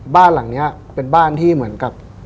บ้านหลังนี้เป็นบ้านที่เหมือนกับ